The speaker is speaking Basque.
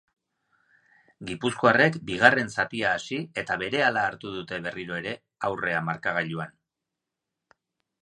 Gipuzkoarrek bigarren zatia hasi eta berehala hartu dute berriro ere aurrea markagailuan.